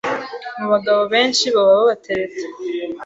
mu bagabo benshi baba babatereta